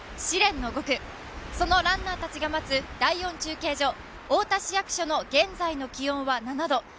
試練の５区、そのランナーたちが待つ第４中継所、太田市役所の現在の気温は７度。